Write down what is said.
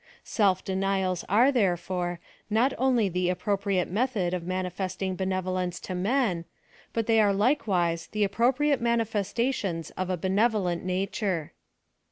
Self denials are^ therefore^ not only the appro priate method of manifesting benevolence to men^ hilt they are likewise the appropriate manifesta tions of a benevolent nature.